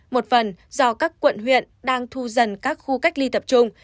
một phần do các quận huyện đang thu dần các khu cách ly tập trung